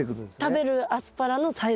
食べるアスパラのサイズ。